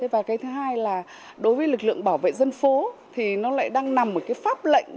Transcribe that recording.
và cái thứ hai là đối với lực lượng bảo vệ dân phố thì nó lại đang nằm một cái pháp lệnh